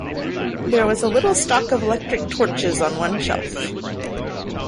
There was a little stock of electric torches on one shelf.